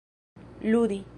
ludi